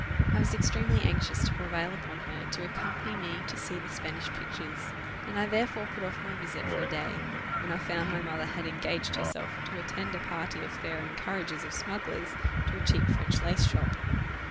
I was extremely anxious to prevail upon her to accompany me to see the Spanish pictures, and I therefore put off my visit for a day, when I found my mother had engaged herself to attend a party of fair encouragers of smugglers to a cheap French lace shop.